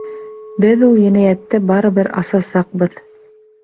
Беҙ ул енәйәтте барыбер асасаҡбыҙ...